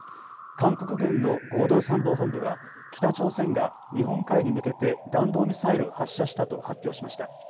韓国軍の合同参謀本部は北朝鮮が日本海に向けて弾道ミサイルを発射したと発表しました。